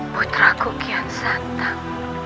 putraku kian santan